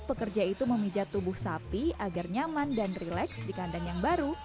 pekerja itu memijat tubuh sapi agar nyaman dan rileks di kandang yang baru